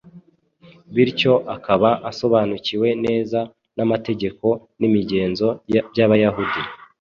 bityo akaba asobanukiwe neza n’amategeko n’imigenzo by’Abayahudi.